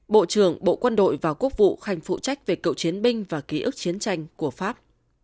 bộ trưởng bộ quân đội và quốc vụ khanh phụ trách về cựu chiến binh và ký ức chiến tranh của pháp